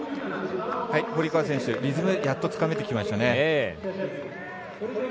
堀川選手、リズムやっとつかめてきましたね。